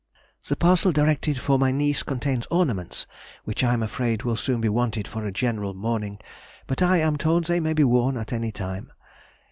The parcel directed for my niece contains ornaments which I am afraid will soon be wanted for a general mourning, but I am told they may be worn at any time.